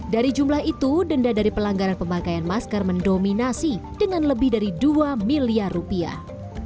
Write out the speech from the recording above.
dari jumlah itu denda dari pelanggaran pemakaian masker mendominasi dengan lebih dari dua miliar rupiah